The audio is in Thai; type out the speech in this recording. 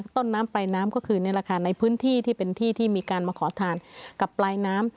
ต้นน้ำปลายน้ำก็คือนี่แหละค่ะในพื้นที่ที่เป็นที่ที่มีการมาขอทานกับปลายน้ำ